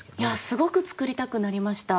すごく作りたくなりました。